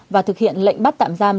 và thực hiện lệnh bắt tạm giam